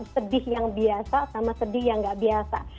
sedih yang biasa sama sedih yang nggak biasa